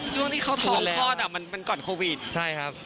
ช่วงที่เขาท้องคลอดอ่ะมันก่อนโควิดใช่ครับ